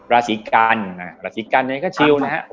ราศีกันราศีกันเนี่ยก็ชิวนะฮะ